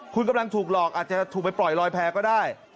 คุณกำลังถูกหลอกอาจจะถูกไปปล่อยลอยแพ้ก็ได้